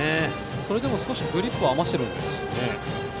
それでも少しグリップを余らせていますね。